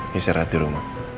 nisir hati rumah